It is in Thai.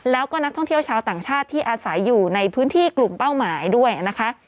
แล้วก็นักท่องเที่ยวชาวต่างชาติที่อาศัยอยู่ในพื้นที่กลุ่มเป้าหมายด้วยนะคะ